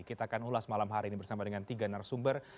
kita akan ulas malam hari ini bersama dengan tiga narasumber